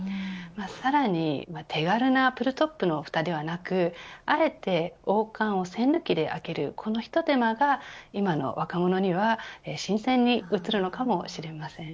さらに手軽なプルトップのふたではなくあえて王冠を栓抜きで開けるこの一手間が、今の若者には新鮮に映るのかもしれません。